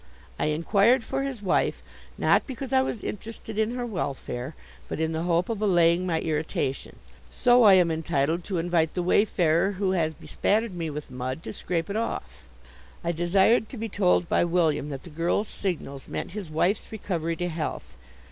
I inquired for his wife, not because I was interested in her welfare, but in the hope of allaying my irritation. So I am entitled to invite the wayfarer who has bespattered me with mud to scrape it off. I desired to be told by William that the girl's signals meant his wife's recovery to health.